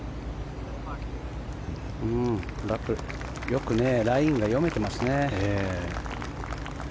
よくラインが読めてますね。